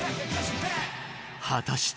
果たして。